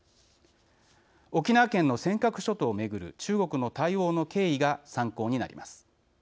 沖縄県の尖閣諸島を巡る中国の対応の経緯が参考になります。